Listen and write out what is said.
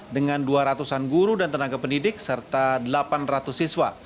dengan dua ratus an guru dan tenaga pendidik serta delapan ratus siswa